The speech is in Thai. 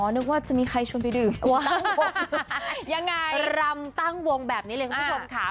นึกว่าจะมีใครชวนไปดื่มตั้งวงยังไงรำตั้งวงแบบนี้เลยคุณผู้ชมค่ะ